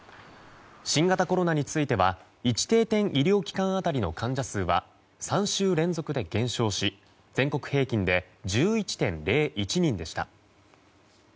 新型コロナについては１定点医療機関当たりの患者数は３週連続で減少し全国平均で１１．０１人でした。